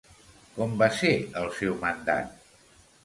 Com va ser el seu mandat?